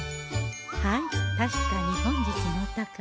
はい確かに本日のお宝